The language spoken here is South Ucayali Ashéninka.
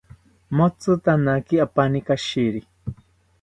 Motzitanaki apani kashiri